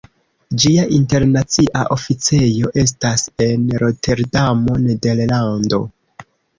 Ĝia internacia oficejo estas en Roterdamo, Nederlando.